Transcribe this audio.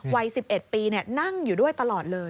วัย๑๑ปีนั่งอยู่ด้วยตลอดเลย